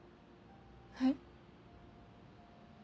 はい？